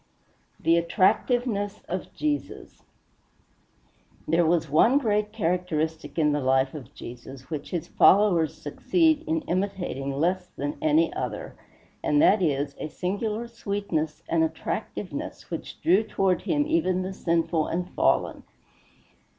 XVI THE ATTRACTIVENESS OF JESUS There was one great characteristic in the life of Jesus which his followers succeed in imitating less than any other, and that is a singular sweetness and attractiveness which drew toward him even the sinful and fallen.